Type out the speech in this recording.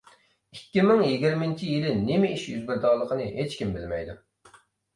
ئىككى مىڭ يىگىرمىنچى يىلى نېمە ئىش يۈز بېرىدىغانلىقىنى ھېچكىم بىلمەيدۇ.